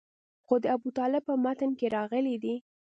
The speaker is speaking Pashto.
خو د ابوطالب په متن کې راغلي دي.